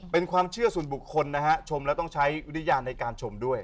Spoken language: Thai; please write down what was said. เป็นความเชื่อส่วนบุคคลนะฮะชมแล้วต้องใช้วิญญาณในการชมด้วย